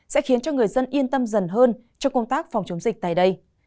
sẽ khiến cho người dân yên tâm dần hơn trong công tác phòng chống dịch tại đây